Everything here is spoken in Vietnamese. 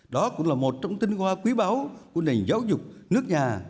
đó cũng là một trong tinh hoa quý báu của nền giáo dục nước nhà